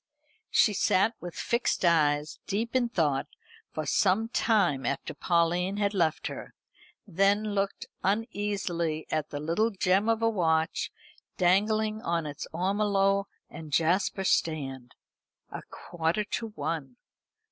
She sat with fixed eyes, deep in thought, for some time after Pauline had left her, then looked uneasily at the little gem of a watch dangling on its ormolu and jasper stand. A quarter to one.